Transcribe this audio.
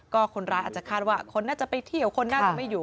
ก็คนร้ายอาจจะคาดว่าคนน่าจะไปเที่ยวคนน่าจะไม่อยู่